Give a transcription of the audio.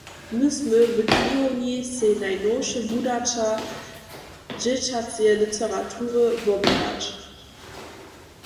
My smy w knihowni sej najnowše wudaća dźěćaceje literatury wobhladać.